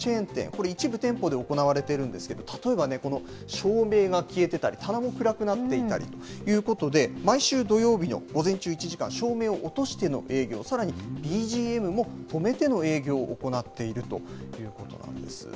これ、一部店舗で行われているんですけど、例えば、この照明が消えてたり、棚も暗くなっていたりということで、毎週土曜日の午前中１時間、照明を落としての営業、さらにＢＧＭも止めての営業を行っているということなんです。